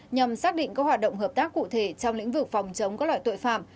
nhằm xác định các hoạt động hợp tác cụ thể trong lĩnh vực phòng chống các loại tội phạm